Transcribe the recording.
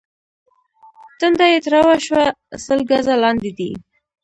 ټنډه يې تروه شوه: سل ګزه لاندې دي.